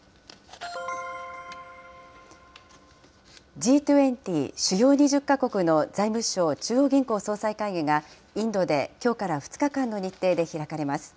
Ｇ２０・主要２０か国の財務相・中央銀行総裁会議がインドできょうから２日間の日程で開かれます。